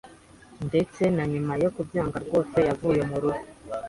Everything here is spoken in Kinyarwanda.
Ndetse na nyuma yo kubyanga kwose, yavuye murugo.